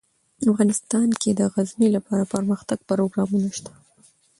افغانستان کې د غزني لپاره دپرمختیا پروګرامونه شته.